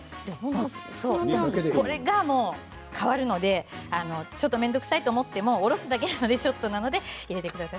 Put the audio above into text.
これで変わるのでちょっと面倒くさいと思ってもおろすだけなので入れてください。